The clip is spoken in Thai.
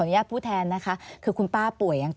อันดับ๖๓๕จัดใช้วิจิตร